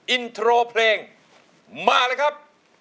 อินโทรเพลงมาเลยครับ